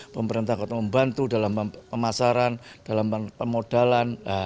pemerintah kota membantu dalam pemasaran dalam pemodalan